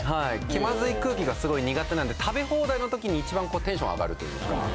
気まずい空気がすごい苦手なんで食べ放題の時に一番テンション上がるというか。